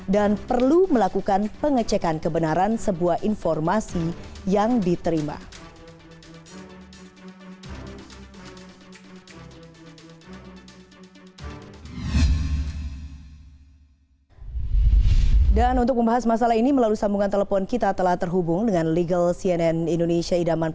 dan perlu melakukan pengecekan kebenaran sebuah informasi yang diterima